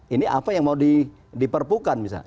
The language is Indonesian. ini apa yang mau diperpukan misalnya